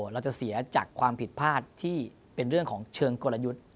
เราจะเสียจากความผิดพลาดที่เป็นเรื่องของเชิงกลยุทธ์